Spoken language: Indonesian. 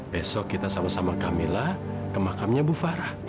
besok kita sama sama kak mila ke makamnya ibu farah